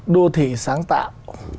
đô thị sáng tạo